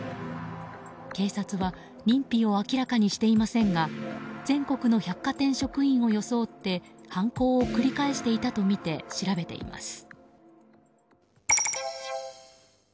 警察は認否を明らかにしていませんが全国の百貨店職員を装って犯行を繰り返していたとみて調べています。